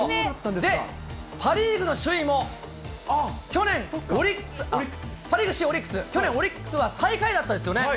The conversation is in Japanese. で、パ・リーグの首位も去年、オリックス、パ・リーグ首位オリックス、去年、オリックスは最下位だったですよね。